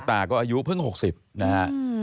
ตาก็อายุเพิ่ง๖๐นะฮะ